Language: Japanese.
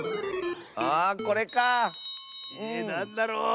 あこれかあ。えなんだろう。